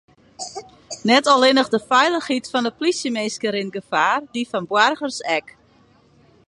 Net allinnich de feilichheid fan de polysjeminsken rint gefaar, dy fan boargers ek.